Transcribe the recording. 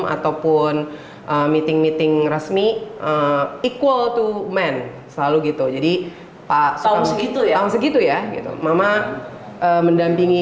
ataupun meeting meeting resmi equal to man selalu gitu jadi pak langsung itu tahun segitu ya gitu mama mendampingi